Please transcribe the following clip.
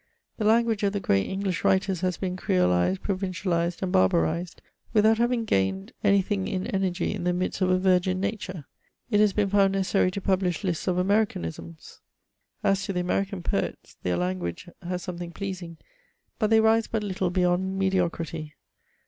The language of the great English writers has been creolisedy provincialised^ and barbarised^ without having gained any thing in energy in the midst of a virgin nature ; it has been found necessary to publish lists of Americanisms. As to the American poets, their language has something pleas ing ; but they rise but little beyond me<£ocrity.